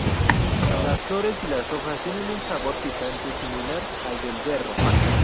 Las flores y las hojas tienen un sabor picante similar al del berro.